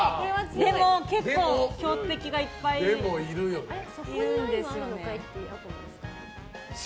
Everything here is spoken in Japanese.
でも結構強敵がいっぱいいるんですよね。